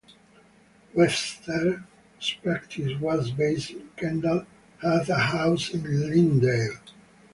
Webster, whose practice was based in Kendal, had a house in Lindale.